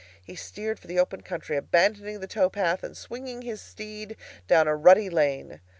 He steered for the open country, abandoning the tow path, and swinging his steed down a rutty lane.